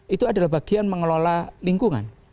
itu adalah bagian mengelola lingkungan